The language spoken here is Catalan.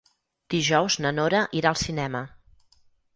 Dijous na Nora irà al cinema.